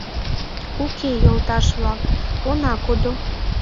Уке, йолташ-влак, она кодо.